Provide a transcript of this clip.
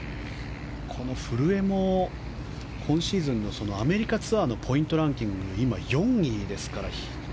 この古江も今シーズンのアメリカツアーのポイントランキングで今４位ですから。